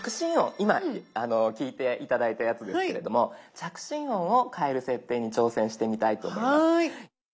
今聞いて頂いたやつですけれども着信音を変える設定に挑戦してみたいと思います。